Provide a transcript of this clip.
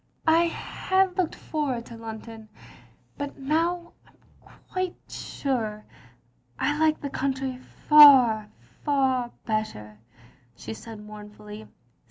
" "I had looked forward to London; but now I am quite sure I like the country fer, far bet ter," she said mournfully.